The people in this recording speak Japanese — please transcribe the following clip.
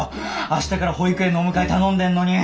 明日から保育園のお迎え頼んでんのに。